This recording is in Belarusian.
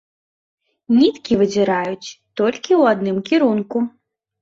Ніткі выдзіраюць толькі ў адным кірунку.